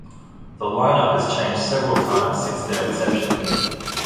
The lineup has changed several times since their inception.